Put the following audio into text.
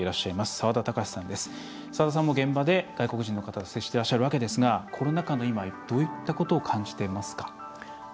沢田さんも現場で外国人の方と接していらっしゃるわけですがコロナ禍の今、どういったことを感じていますか？